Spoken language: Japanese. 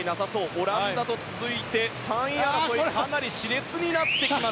オランダと続いて、３位争いがかなり熾烈になってきました。